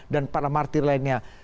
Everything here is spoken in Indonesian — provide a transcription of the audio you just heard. dan para martir lainnya